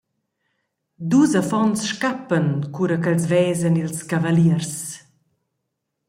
Dus affons scappan cura ch’els vesan ils cavaliers.